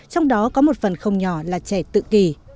trong đó có một phần không nhỏ là trẻ tự kỷ